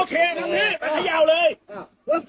เข้ามาขย่าวเลย